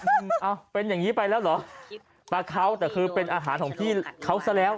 เอาเป็นอย่างงี้ไปแล้วเหรอปลาเขาแต่คือเป็นอาหารของพี่เขาซะแล้ว